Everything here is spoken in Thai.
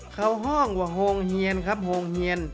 เขาห้องว่าโฮงเฮียนครับโฮงเฮียน